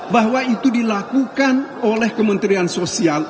bahwa itu dilakukan oleh kementerian sosial